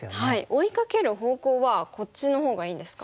追いかける方向はこっちのほうがいいんですか？